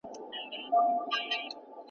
سياسي اخلاق د نظام د بقا لپاره اړين دي.